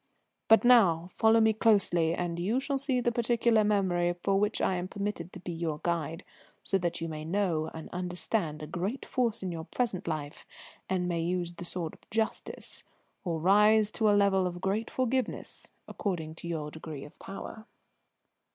"But now follow me closely, and you shall see the particular memory for which I am permitted to be your guide, so that you may know and understand a great force in your present life, and may use the sword of justice, or rise to the level of a great forgiveness, according to your degree of power."